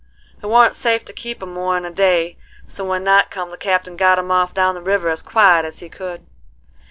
It warn't safe to keep 'em more 'n a day, so when night come the Captain got 'em off down the river as quiet as he could.